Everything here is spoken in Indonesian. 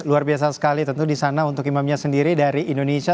luar biasa sekali tentu di sana untuk imamnya sendiri dari indonesia